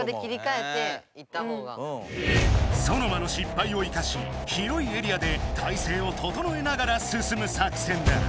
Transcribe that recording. ソノマの失敗を生かし広いエリアで体勢をととのえながら進む作戦だ。